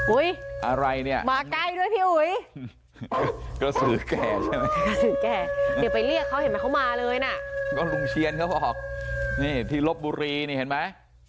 อะไรเนี่ยมาใกล้ด้วยพี่อุ๋ยกระสือแก่ใช่ไหมกระสือแก่เดี๋ยวไปเรียกเขาเห็นไหมเขามาเลยน่ะก็ลุงเชียนเขาบอกนี่ที่ลบบุรีนี่เห็นไหม